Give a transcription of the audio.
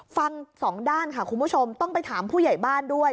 ฟังสองด้านค่ะคุณผู้ชมต้องไปถามผู้ใหญ่บ้านด้วย